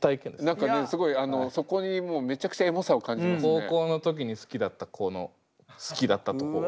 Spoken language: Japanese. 何かねすごいそこにめちゃくちゃ高校の時に好きだった子の好きだったところ。